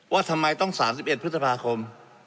ว่าทำไมต้อง๓๑พฤษภาคม